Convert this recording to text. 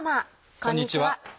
こんにちは。